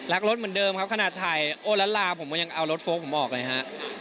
รักรถเหมือนเดิมครับขนาดถ่ายโอละลาผมก็ยังเอารถโฟลกผมออกเลยฮะ